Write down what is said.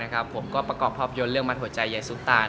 ผ่าประกอบภาพยนตร์เรื่องมันหัวใจเยซูปตา